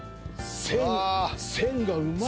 線線がうまい。